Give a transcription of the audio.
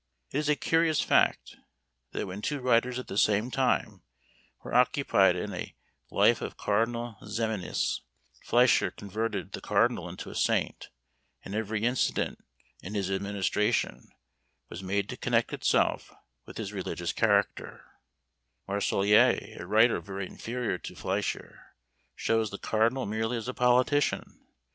It is a curious fact, that when two writers at the same time were occupied in a Life of Cardinal Ximenes, Flechier converted the cardinal into a saint, and every incident in his administration was made to connect itself with his religious character; Marsollier, a writer very inferior to Flechier, shows the cardinal merely as a politician.